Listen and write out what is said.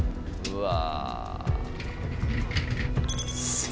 うわ！